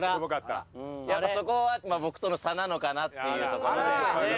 やっぱそこは僕との差なのかなっていうところで。